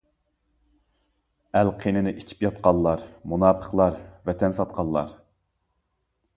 ئەل قېنىنى ئىچىپ ياتقانلار، مۇناپىقلار ۋەتەن ساتقانلار.